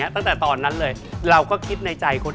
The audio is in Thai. ตั้งแต่ตอนนั้นเลยเราก็คิดในใจคน